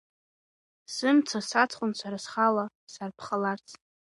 Сымца саҵхон сара схала, сарԥхаларц.